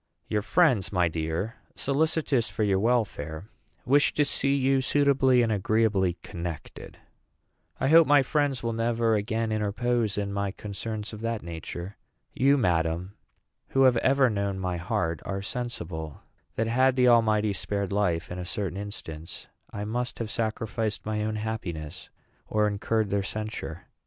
"Your friends, my dear, solicitous for your welfare, wish to see you suitably and agreeably connected." "I hope my friends will never again interpose in my concerns of that nature. You, madam, who have ever known my heart, are sensible that, had the Almighty spared life in a certain instance, I must have sacrificed my own happiness or incurred their censure.